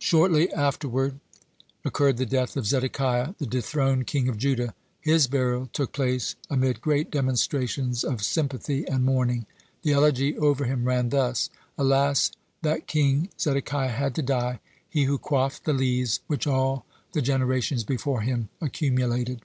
(116) Shortly afterward occurred the death of Zedekiah, the dethroned king of Judah. His burial took place amid great demonstrations of sympathy and mourning. The elegy over him ran thus: "Alas that King Zedekiah had to die, he who quaffed the lees which all the generations before him accumulated."